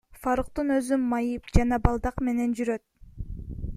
Фаруктун өзү майып жана балдак менен жүрөт.